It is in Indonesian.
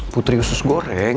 putri usus goreng